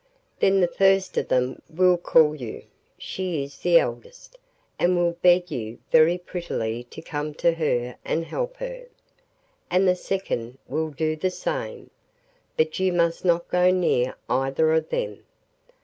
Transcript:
Then the first of them will call you—she is the eldest—and will beg you very prettily to come to her and help her, and the second will do the same, but you must not go near either of them.